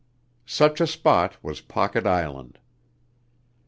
Such a spot was Pocket Island.